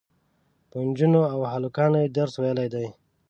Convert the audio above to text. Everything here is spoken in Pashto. په نجونو او هلکانو یې درس ویلی دی.